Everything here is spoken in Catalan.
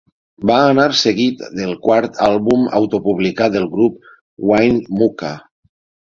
Va anar seguit del quart àlbum autopublicat del grup, "Winnemucca".